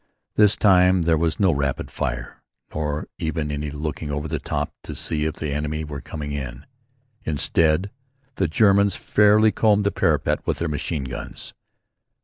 This time there was no rapid fire, nor even any looking over the top to see if the enemy were coming on. Instead, the Germans fairly combed the parapet with their machine guns.